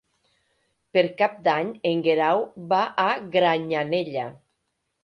Per Cap d'Any en Guerau va a Granyanella.